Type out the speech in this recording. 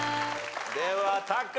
ではタカ。